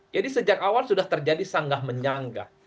jadi sejak awal sudah terjadi sanggah menyanggah